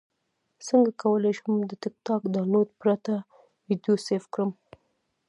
څنګه کولی شم د ټکټاک ډاونلوډ پرته ویډیو سیف کړم